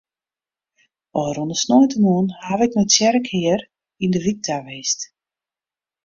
Ofrûne sneintemoarn haw ik nei de tsjerke hjir yn de wyk ta west.